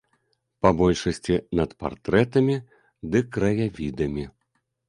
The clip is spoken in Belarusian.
Па большасці над партрэтамі ды краявідамі.